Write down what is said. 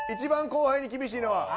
１番後輩に厳しいのは？